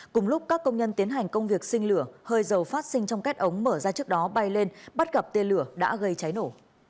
cùng lúc các công nhân tiến hành công việc sinh lửa hơi dầu phát sinh trong kết ống mở ra trước đó bay lên bắt gặp tên lửa đã gây cháy nổ